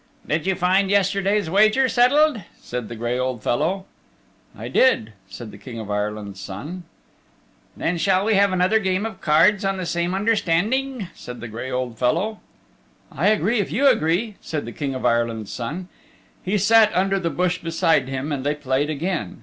"Did you find yesterday's wager settled?" said the gray old fellow. "I did," said the King of Ireland's Son. "Then shall we have another game of cards on the same understanding?" said the gray old fellow. "I agree, if you agree," said the King of Ireland's son. He sat under the bush beside him and they played again.